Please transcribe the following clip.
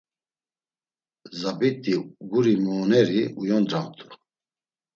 Zabit̆i, guri mooneri uyondramt̆u.